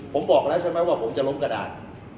ผมบอกแล้วใช่ไหมว่าผมจะล้มกระดาษ